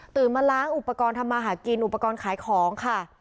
มาล้างอุปกรณ์ทำมาหากินอุปกรณ์ขายของค่ะ